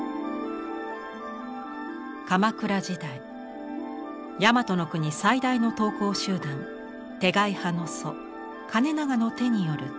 鎌倉時代大和国最大の刀工集団手掻派の祖包永の手による太刀。